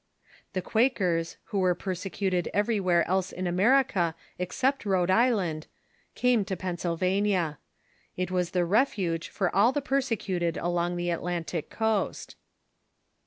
The Quakers, who were persecuted everywhere else in America except Rhode Island, came to Pennsylvania. It was the refuge for all the perse cuted along the Atlantic coast.